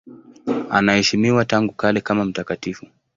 Anaheshimiwa tangu kale kama mtakatifu.